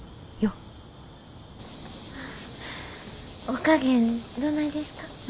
お加減どないですか？